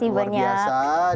terima kasih banyak